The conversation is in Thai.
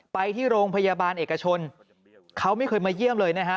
ไปที่โรงพยาบาลเอกชนเขาไม่เคยมาเยี่ยมเลยนะฮะ